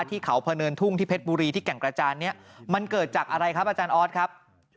ที่เขาพะเนินทุ่งที่เพชรบุรีที่แก่งกระจานนี้มันเกิดจากอะไรครับอาจารย์ออสครับ